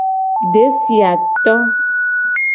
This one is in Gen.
Desi a to.